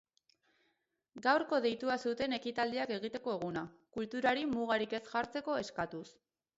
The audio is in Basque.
Gaurko deitua zuten ekitaldiak egiteko eguna, kulturari mugarik ez jartzeko eskatuz.